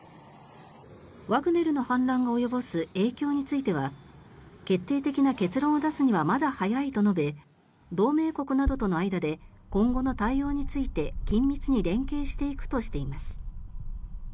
ワグネルの反乱が及ぼす影響については決定的な結論を出すにはまだ早いと述べ同盟国などとの間で今後の対応について緊密に連携していくとしています。